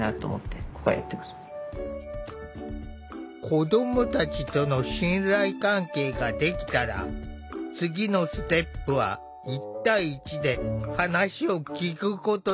子どもたちとの信頼関係ができたら次のステップは１対１で話を聴くことだ。